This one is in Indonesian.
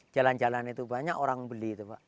jalan jalan itu banyak orang beli